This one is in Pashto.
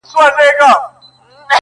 له زلمیو خوښي ورکه له مستیو دي لوېدلي-